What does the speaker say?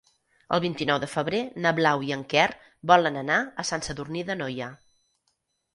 El vint-i-nou de febrer na Blau i en Quer volen anar a Sant Sadurní d'Anoia.